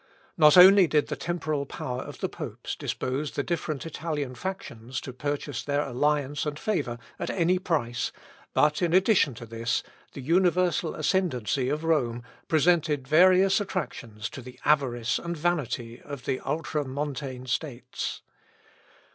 Not only did the temporal power of the popes dispose the different Italian factions to purchase their alliance and favour at any price, but in addition to this, the universal ascendancy of Rome presented various attractions to the avarice and vanity of the ultramontane states.